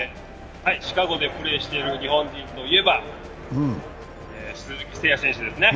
シカゴでプレーしている日本人といえば鈴木誠也選手ですね。